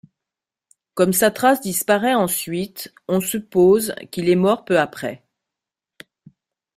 Comme sa trace disparaît ensuite, on suppose qu’il est mort peu après.